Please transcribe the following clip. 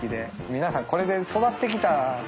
皆さんこれで育ってきた。